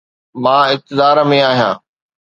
مان اقتدار ۾ آهيان.